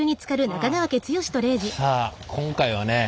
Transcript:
さあ今回はね